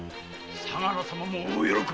相良様もお喜びよ。